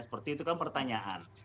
seperti itu kan pertanyaan